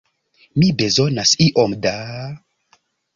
Mi bezonas iom da...